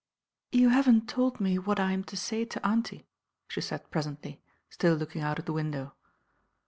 "You haven't told me what I'm to say to auntie," she said presently, still looking out of the window.